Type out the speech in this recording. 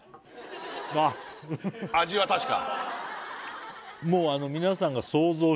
ああっ味は確か？